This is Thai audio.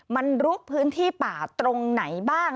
มันลุกพื้นที่ป่าตรงไหนบ้าง